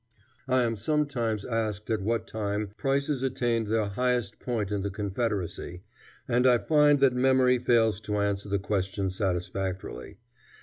I am sometimes asked at what time prices attained their highest point in the Confederacy, and I find that memory fails to answer the question satisfactorily.